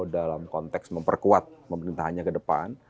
dalam konteks memperkuat pemerintahnya ke depan